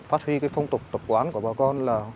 phát huy cái phong tục tập quán của bà con là